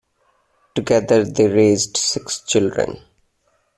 Together they raised six children.